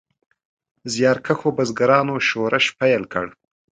زیارکښو بزګرانو شورش پیل کړ.